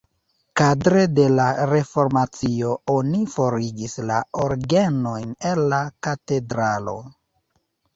Kadre de la reformacio oni forigis la orgenojn el la katedralo.